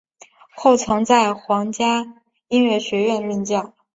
后曾在皇家音乐学院任教。